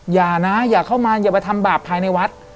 อย่านะอย่าเข้ามาอย่าไปทำบาปภายในวัด